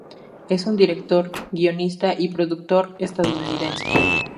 Es un director, guionista y productor estadounidense.